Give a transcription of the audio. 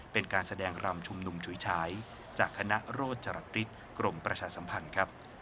เป็นการแสดงรำชุมนุมฉุยฉายจากคณะโรจริตกรมประชาสัมพันธ์ครับ